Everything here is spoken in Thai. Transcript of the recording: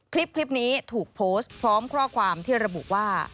คลิปนี้ถูกโพสต์พร้อมข้อความที่ระบุว่า